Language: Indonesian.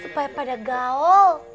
supaya pada gaul